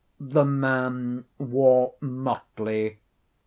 The man wore motley.